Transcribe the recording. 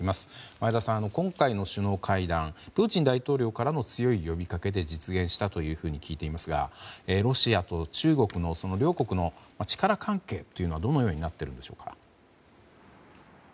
前田さん、今回の首脳会談はプーチン大統領からの強い呼びかけで実現したと聞いていますがロシアと中国の両国の力関係はどのようになってるんでしょう。